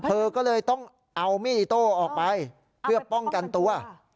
เธอก็เลยต้องเอามีดอิโต้ออกไปเพื่อป้องกันตัว